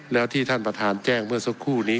แล้วที่ท่านประธานแจ้งเมื่อสักครู่นี้